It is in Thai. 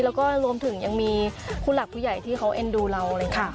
แล้วก็รวมถึงยังมีคุณหลักผู้ใหญ่ที่เขาเอ็นดูเรา